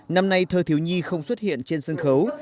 năm nay thơ thiếu nhi không xuất hiện trên sân khấu